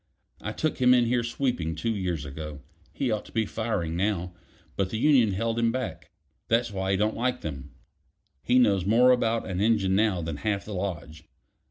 "I took him in here sweeping two years ago. He ought to be firing now, but the union held him back; that's why he don't like them. He knows more about an engine now than half the lodge.